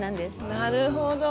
なるほど。